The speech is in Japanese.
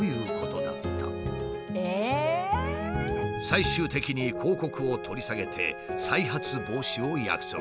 最終的に広告を取り下げて再発防止を約束。